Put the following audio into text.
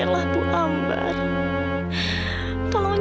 setelah aku nyambahkan ke virgin